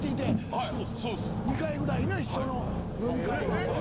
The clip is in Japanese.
はいそうです。２回ぐらいな一緒の飲み会。